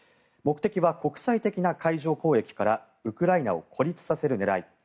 目的は国際的な海上交易からウクライナを孤立させる狙い。